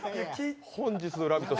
本日の「ラヴィット！」